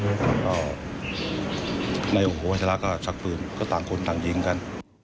แล้วก็นายโหนายปัจจาระก็ชักเปลืองก็ต่างคนต่างยิงกัน